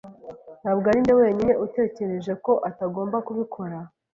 Ntabwo arinjye wenyine utekereza ko atagomba kubikora.